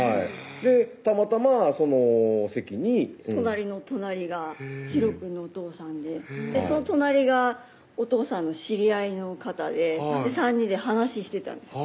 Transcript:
たまたまその席に隣の隣がひろくんのお父さんでその隣がおとうさんの知り合いの方で３人で話してたんです